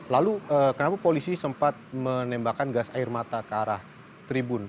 lalu kenapa polisi sempat menembakkan gas air mata ke arah tribun